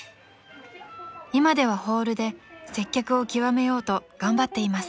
［今ではホールで接客をきわめようと頑張っています］